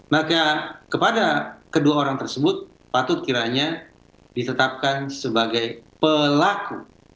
maka kepada kedua orang tersebut patut kiranya ditetapkan sebagai pelaku